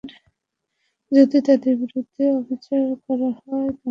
যদি তাদের বিরুদ্ধে অবিচার করা হয়, তাহলে অবশ্যই বার্সেলোনা প্রতিবাদ করবে।